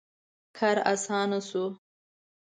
• کار آسانه شو.